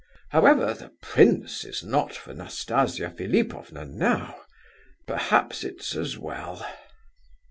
However, the prince is not for Nastasia Philipovna now,—perhaps it's as well."